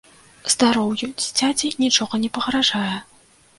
Здароўю дзіцяці нічога не пагражае.